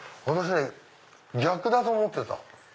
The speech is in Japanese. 私ね逆だと思ってた。